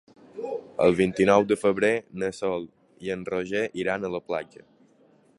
El vint-i-nou de febrer na Sol i en Roger iran a la platja.